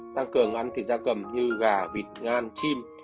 tăng cường ăn thịt da cầm như gà vịt ngan chim